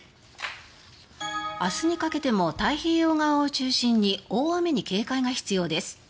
明日にかけても太平洋側を中心に大雨に警戒が必要です。